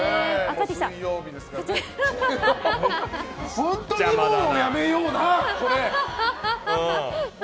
本当にもうやめような！